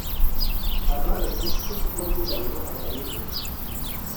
abaroze se rwogera ngo abarimbure